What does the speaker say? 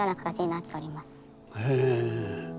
へえ。